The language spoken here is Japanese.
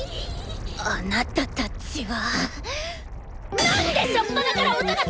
あなたたちはなんっで初っぱなから音がそろわないのよ！